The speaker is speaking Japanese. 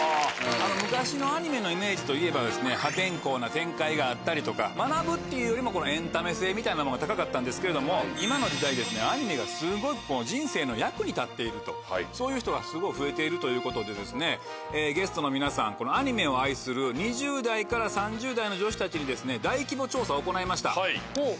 昔のアニメのイメージといえば破天荒な展開があったりとか学ぶっていうよりもエンタメ性みたいなものが高かったんですけれども今の時代アニメがすごく人生の役に立っているとそういう人がすごい増えているということでゲストの皆さんアニメを愛する２０代から３０代の女子たちに大規模調査を行いました。